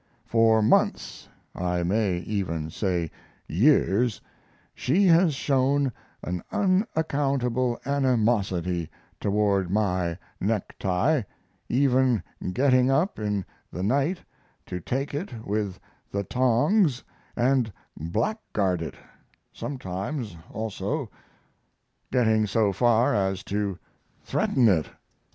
For months I may even say years she has shown an unaccountable animosity toward my necktie, even getting up in the night to take it with the tongs and blackguard it, sometimes also getting so far as to threaten it.